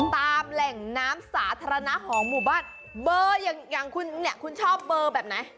ตามแหล่งน้ำสาธารณะของหมู่บ้านเบอร์อย่างอย่างคุณเนี่ยคุณชอบเบอร์แบบไหน